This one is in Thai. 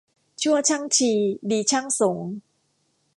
ชั่วช่างชี ดีช่างสงฆ์